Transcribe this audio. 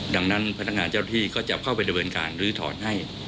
ดังนั้นพนักงานเจ้าที่ก็จะเข้าไปดำเนินการลื้อถอนให้